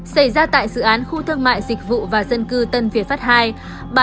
xảy ra tại dự án khu thương mại dịch vụ và dân cư tân việt pháp ii